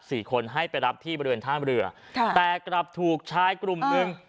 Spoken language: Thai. สี่คนให้ไปรับที่บริเวณท่ามเรือค่ะแต่กลับถูกชายกลุ่มหนึ่ง